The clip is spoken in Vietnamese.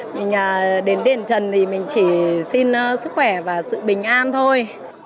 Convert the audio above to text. nhà đến đền trần thì mình chỉ xin sức khỏe và sự bình an thôi